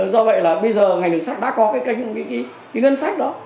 do vậy là bây giờ ngành ngân sách đã có cái ngân sách đó